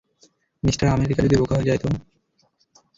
Mister America যদি বোকা হয়ে যায়, তো?